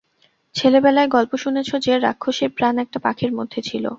ছেলেবেলায় গল্প শুনেছ যে, রাক্ষসীর প্রাণ একটা পাখীর মধ্যে ছিল।